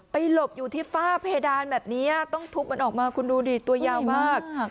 หลบอยู่ที่ฝ้าเพดานแบบนี้ต้องทุบมันออกมาคุณดูดิตัวยาวมาก